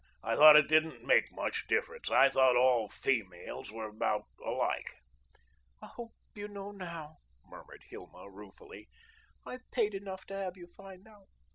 I thought it didn't make much difference. I thought all feemales were about alike." "I hope you know now," murmured Hilma ruefully. "I've paid enough to have you find out.